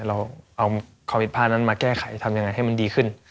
เราเอาความผิดพลาดนั้นมาแก้ไขทำยังไงให้มันดีขึ้น